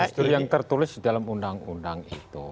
justru yang tertulis di dalam undang undang itu